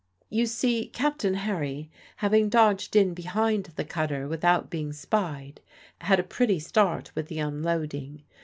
You see, Captain Harry, having dodged in behind the cutter without being spied, had a pretty start with the unloading.